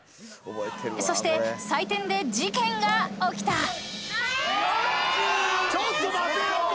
［そして採点で事件が起きた］